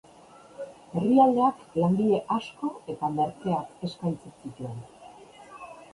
Herrialdeak langile asko eta merkeak eskaintzen zituen.